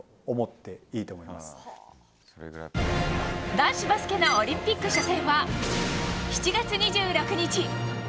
男子バスケのオリンピック初戦は７月２６日。